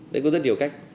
đấy có rất nhiều cách